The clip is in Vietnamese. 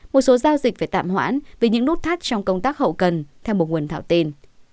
một số giao dịch phải tạm hoãn vì những nút thắt trong công tác hậu cần theo một nguồn thạo tên